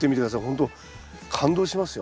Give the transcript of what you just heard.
ほんと感動しますよ。